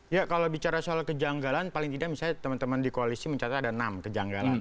ya kalau bicara soal kejanggalan paling tidak misalnya teman teman di koalisi mencatat ada enam kejanggalan